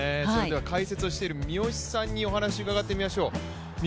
解説をしている三好さんにお話を伺ってみましょう。